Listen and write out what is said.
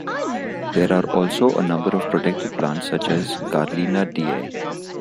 There are also a number of protected plants such as Carlina diae.